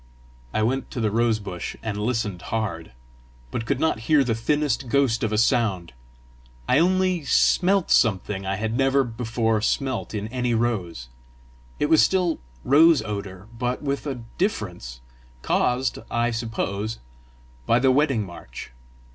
I went to the rose bush and listened hard, but could not hear the thinnest ghost of a sound; I only smelt something I had never before smelt in any rose. It was still rose odour, but with a difference, caused, I suppose, by the Wedding March.